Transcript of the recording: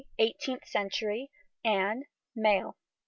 EIGHTEENTH CENTURY. ANNE. MALE.